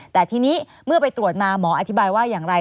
แต่ทีนี้เมื่อไปตรวจมาหมออธิบายว่าอย่างไร